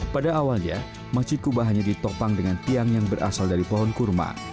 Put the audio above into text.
pada awalnya masjid kuba hanya ditopang dengan tiang yang berasal dari pohon kurma